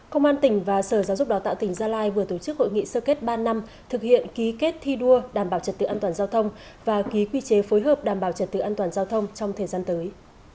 công an tỉnh và sở giáo dục đào tạo tỉnh gia lai vừa tổ chức hội nghị sơ kết ba năm thực hiện ký kết thi đua đảm bảo trật tự an toàn giao thông và ký quy chế phối hợp đảm bảo trật tự an toàn giao thông trong thời gian tới